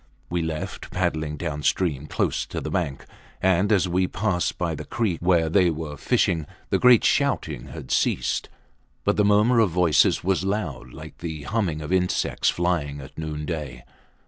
We left, paddling downstream close to the bank; and as we passed by the creek where they were fishing, the great shouting had ceased, but the murmur of voices was loud like the humming of insects flying at noonday.